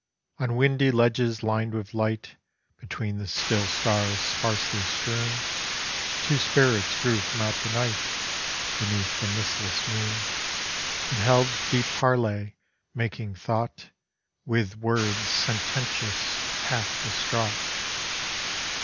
On windy ledges lined with light, Between the still Stars sparsely strewn, Two Spirits grew from out the Night Beneath the mistless Moon, And held deep parley, making thought With words sententious half distraught.